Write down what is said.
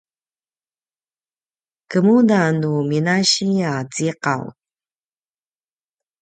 kemuda nu minasi a ciqaw?